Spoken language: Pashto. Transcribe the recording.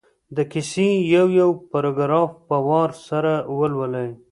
د کیسې یو یو پراګراف په وار سره ولولي.